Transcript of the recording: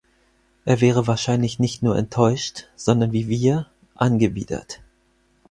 Er wäre wahrscheinlich nicht nur enttäuscht, sondern wie wir angewidert.